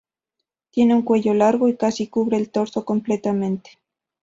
Tiene un cuello largo y casi cubre el torso completamente.